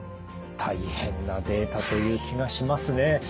大変なデータという気がしますね。